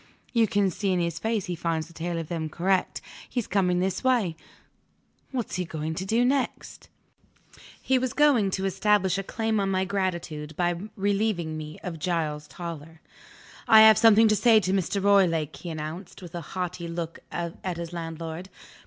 You can see in his face he finds the tale of them correct. He's coming this way. What's he going to do next?" He was going to establish a claim on my gratitude, by relieving me of Giles Toller. "I have something to say to Mr. Roylake," he announced, with a haughty look at his landlord.